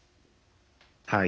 はい。